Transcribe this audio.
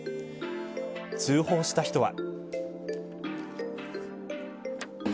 通報した人は。